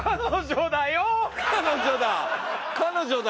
彼女だ！